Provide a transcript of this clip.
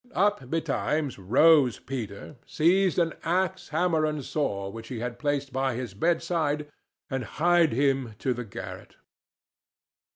Up betimes rose Peter, seized an axe, hammer and saw which he had placed by his bedside, and hied him to the garret.